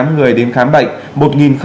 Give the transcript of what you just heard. ba mươi tám người đến khám bệnh